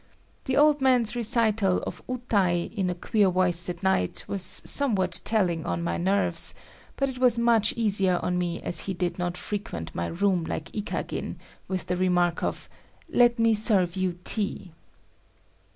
The old man's recital of "utai" in a queer voice at night was somewhat telling on my nerves, but it was much easier on me as he did not frequent my room like Ikagin with the remark of "let me serve you tea."